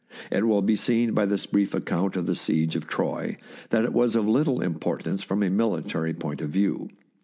It will be seen by this brief account of the siege of Troy that it was of little importance from a military point of view.